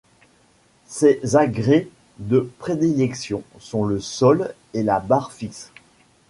Ses agrès de prédilection sont le sol et la barre fixe.